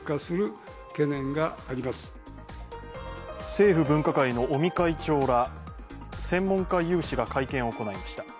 政府分科会の尾身会長ら専門家有志が会見を行いました。